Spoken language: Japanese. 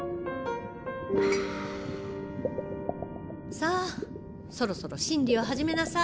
さあそろそろ審理を始めなさい。